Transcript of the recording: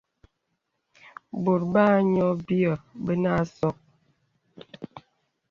Bɔ̀t bā nyɔ byə̂ bə a sɔk.